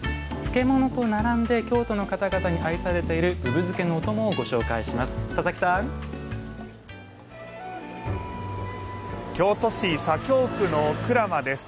漬物と並んで、京都の方々に愛されているぶぶ漬けのお供をご紹介します。